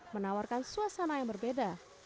menawarkan suasana yang berbeda